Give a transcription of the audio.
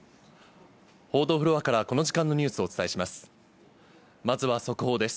報道フロアからこの時間のニュースをお伝えします。